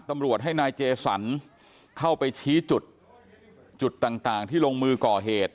ตำรวจให้นายเจสันเข้าไปชี้จุดจุดต่างต่างที่ลงมือก่อเหตุ